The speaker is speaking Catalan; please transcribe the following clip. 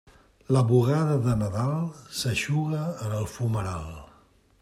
La bugada de Nadal s'eixuga en el fumeral.